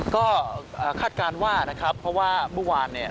ก็คาดการณ์ว่านะครับเพราะว่าเมื่อวานเนี่ย